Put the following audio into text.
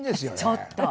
ちょっと！